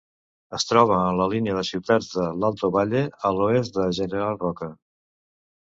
Es troba en la línia de ciutats de l'Alto Valle, a l'oest de General Roca.